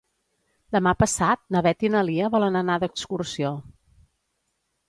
Demà passat na Beth i na Lia volen anar d'excursió.